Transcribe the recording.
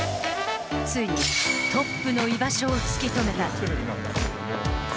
ついにトップの居場所を突き止めた。